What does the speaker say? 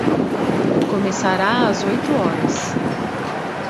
Começará às oito horas.